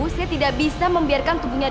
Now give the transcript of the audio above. saya tidak bisa membiarkan tubuhnya